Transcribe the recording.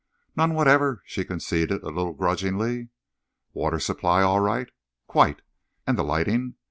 "None whatever," she conceded a little grudgingly. "Water supply all right?" "Quite." "And the lighting?"